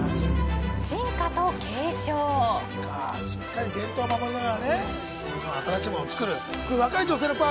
しっかりと伝統を守りながらね新しいものを作る。